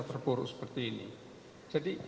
terburuk seperti ini jadi